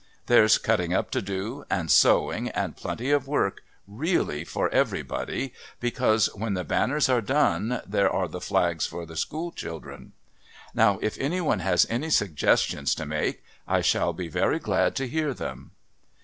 There's cutting up to do and sewing and plenty of work really for everybody, because when the banners are done there are the flags for the school children. Now if any one has any suggestions to make I shall be very glad to hear them."